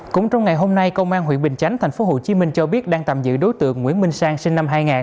cũng trong ngày hôm nay công an huyện bình chánh tp hcm cho biết đang tạm giữ đối tượng nguyễn minh sang sinh năm hai nghìn